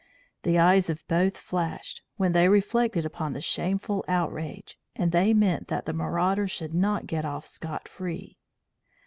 The eyes of both flashed, when they reflected upon the shameful outrage, and they meant that the marauders should not get off scot free.